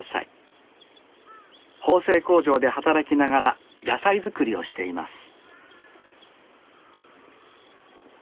縫製工場で働きながら野菜作りをしています